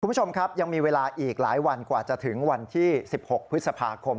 คุณผู้ชมครับยังมีเวลาอีกหลายวันกว่าจะถึงวันที่๑๖พฤษภาคม